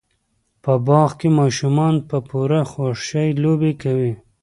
په باغ کې ماشومان په پوره خوشحۍ لوبې کوي.